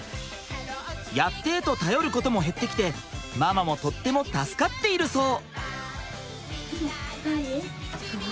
「やって」と頼ることも減ってきてママもとっても助かっているそう！